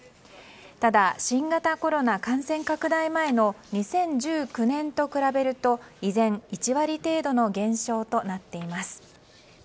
ただ、新型コロナ感染拡大前の２０１９年と比べると依然１割程度の減少となっています。